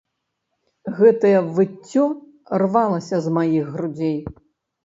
Гэтае выццё рвалася з маіх грудзей.